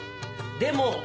でも！